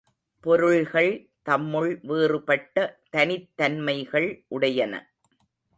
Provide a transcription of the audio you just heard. பொருள்கள் தம்முள் வேறுபட்ட தனித்தன்மைகள் உடையன.